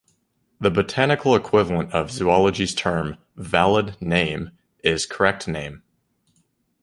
The botanical equivalent of zoology's term "valid name" is correct name.